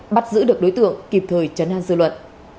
bắt giữ được đối tượng kịp thời chấn an dư luận